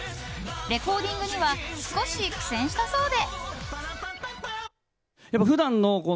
レコーディングには少し苦戦したそうで。